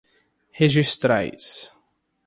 registrais